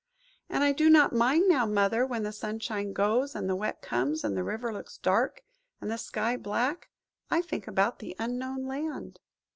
"And I do not mind now, Mother. When the sunshine goes, and the wet comes, and the river looks dark and the sky black, I think about the Unknown Land."